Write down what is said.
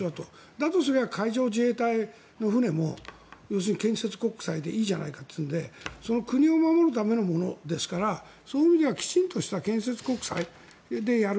だとすれば海上自衛隊の船も要するに建設国債でいいじゃないかというのでその国を守るための物ですからそういう意味ではきちんとした建設国債でやる。